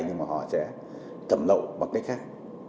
nhưng mà họ sẽ thẩm lậu bằng cách khác